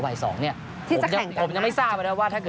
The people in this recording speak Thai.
ในสองที่จะแข่งต่างหาก